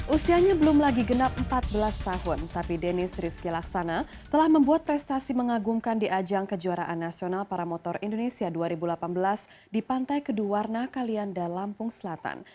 usianya belum lagi genap empat belas tahun tapi deniz rizky laksana telah membuat prestasi mengagumkan di ajang kejuaraan nasional para motor indonesia dua ribu delapan belas di pantai kedua warna kalianda lampung selatan